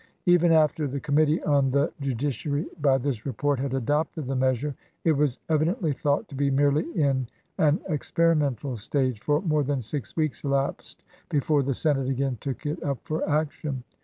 Even after the committee on the judiciary by this report had adopted the measure, it was evi dently thought to be merely in an experimental stage, for more than six weeks elapsed before the Senate again took it up for action.